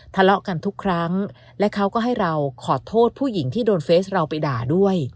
ทะเลาะกันทุกครั้งและเขาก็ให้เราขอโทษผู้หญิงที่โดนเฟสเราไปด่าด้วย